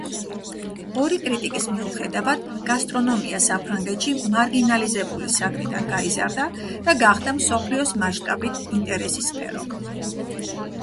ორის კრიტიკის მიუხედავად, გასტრონომია საფრანგეთში მარგინალიზებული საგნიდან გაიზარდა და გახდა მსოფლიოს მასშტაბით ინტერესის სფერო.